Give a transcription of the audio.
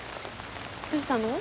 どうしたの？